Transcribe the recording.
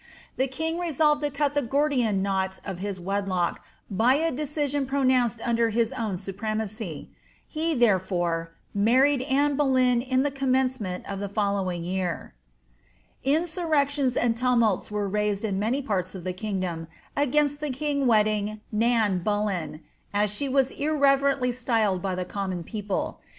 The king resolved to cut the Gordian knot of his wedlock by a decision pronounced under his own shpremacy. He, therefore, married Anne Boleyn in the commencement of the following jew. Insurrections and tumults were raised in many parts of the kingdi>m tfainst the king wedding ^ Nan Bullen," as she was irreverently styled by the common people.